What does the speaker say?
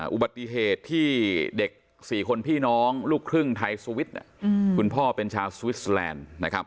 อุบัติเหตุที่เด็ก๔คนพี่น้องลูกครึ่งไทยสวิสคุณพ่อเป็นชาวสวิสแลนด์